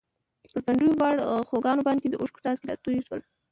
پر پڼډو باړخوګانو باندې د اوښکو څاڅکي راتوی شول.